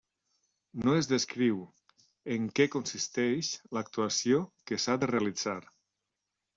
No es descriu en què consisteix l'actuació que s'ha de realitzar.